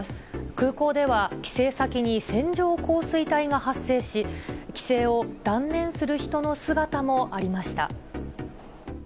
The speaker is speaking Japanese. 空港では帰省先に線状降水帯が発生し、帰省を断念する人の姿もありました。